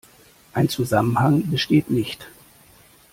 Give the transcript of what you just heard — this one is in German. Ein Zusammenhang besteht nicht.